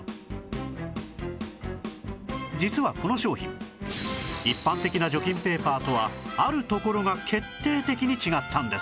実はこの商品一般的な除菌ペーパーとはあるところが決定的に違ったんです